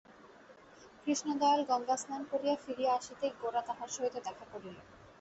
কৃষ্ণদয়াল গঙ্গাস্নান করিয়া ফিরিয়া আসিতেই গোরা তাঁহার সহিত দেখা করিল।